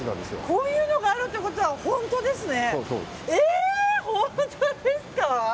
こういうのがあるってことは本当ですね。